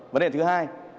vấn đề thứ hai